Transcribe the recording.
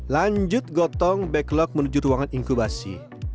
lanjut gotong backlog menuju ruangan inkubasi